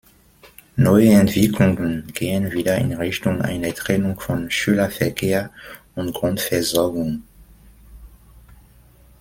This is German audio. Neue Entwicklungen gehen wieder in Richtung einer Trennung von Schülerverkehr und Grundversorgung.